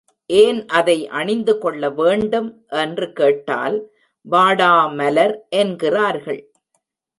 ஏன் அதை அணிந்து கொள்ள வேண்டும் என்று கேட்டால், வாடா மலர் என்கிறார்கள்!